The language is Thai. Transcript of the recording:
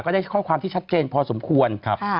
ได้ข้อความที่ชัดเจนพอสมควร